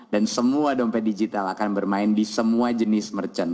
dan semua dompet digital akan bermain di semua jenis merchant